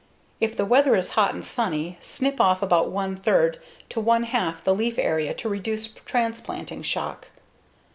If the weather is hot and sunny, snip off about one third to one half the leaf area to reduce transplanting shock.